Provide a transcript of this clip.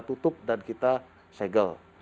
tutup dan kita segel